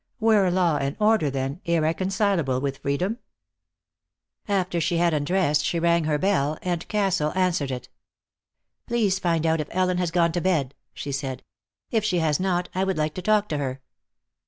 Were law and order, then, irreconcilable with freedom? After she had undressed she rang her bell, and Castle answered it. "Please find out if Ellen has gone to bed," she said. "If she has not, I would like to talk to her."